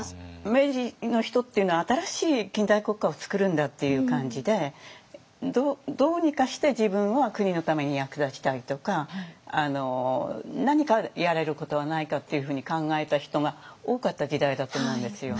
明治の人っていうのは新しい近代国家を作るんだっていう感じでどうにかして自分は国のために役立ちたいとか何かやれることはないかっていうふうに考えた人が多かった時代だと思うんですよ。